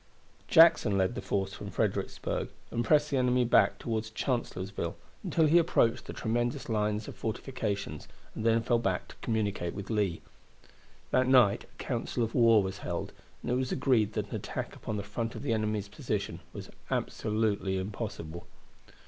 Jackson led the force from Fredericksburg, and pressed the enemy back toward Chancellorsville until he approached the tremendous lines of fortifications, and then fell back to communicate with Lee. That night a council of war was held, and it was agreed that an attack upon the front of the enemy's position was absolutely impossible.